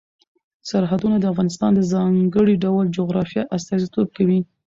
سرحدونه د افغانستان د ځانګړي ډول جغرافیه استازیتوب کوي.